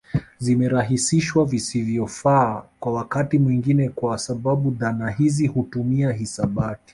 Zimerahisishwa visivyofaaa kwa wakati mwingine kwa sababu dhana hizi hutumia hisabati